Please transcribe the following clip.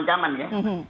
ya mungkin bukan